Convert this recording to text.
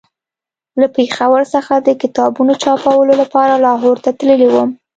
له پېښور څخه د کتابونو چاپولو لپاره لاهور ته تللی وم.